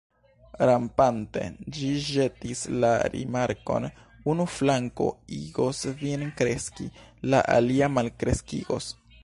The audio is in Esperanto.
Rampante, ĝi ĵetis la rimarkon: "Unu flanko igos vin kreski, la alia malkreskigos. »